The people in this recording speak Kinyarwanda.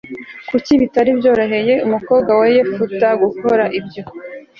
kuki bitari byoroheye umukobwa wa yefuta gukora ibyo